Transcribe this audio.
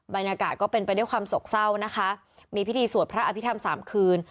บรรยากาศก็เป็นไปด้วยความโศกเศร้านะคะมีพิธีสวดพระอภิษฐรรมสามคืน